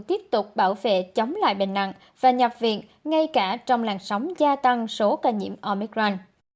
tiếp tục bảo vệ chống lại bệnh nặng và nhập viện ngay cả trong làn sóng gia tăng số ca nhiễm omicran